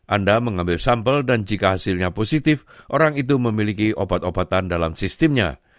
anda mengambil sampel dan jika hasilnya positif orang itu memiliki obat obatan dalam sistemnya